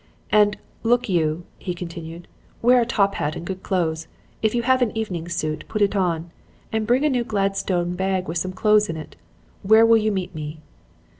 "'And, look you,' he continued; 'wear a top hat and good clothes; if you have an evening suit, put it on. And bring a new Gladstone bag with some clothes in it. Where will you meet me?'